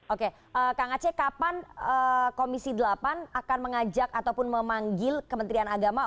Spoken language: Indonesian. oke kang aceh kapan komisi delapan akan mengajak ataupun memanggil kementerian agama